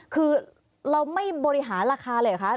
คือเราไม่บริหารราคาเลยเหรอคะ